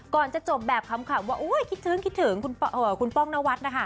ก่อนจะจบแบบคำขำว่าอุ๊ยคิดถึงคุณป้องนวัตต์นะคะ